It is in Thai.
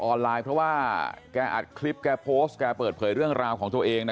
ไลน์เพราะว่าแกอัดคลิปแกโพสต์แกเปิดเผยเรื่องราวของตัวเอง